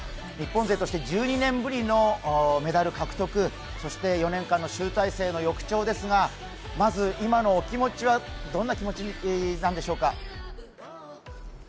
日本勢として１２年ぶりのメダル獲得そして４年間の集大成の翌朝ですがまず、今のお気持ちはどんなお気持ちなんでしょうか。